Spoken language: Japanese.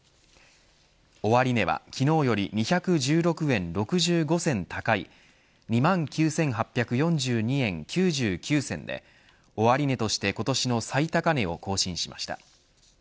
終値は昨日より２１６円６５銭高い２万９８４２円９９銭で終値として今年の最高値を更新しました。